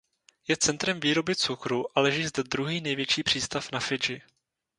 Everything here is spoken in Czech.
Je centrem výroby cukru a leží zde druhý největší přístav na Fidži.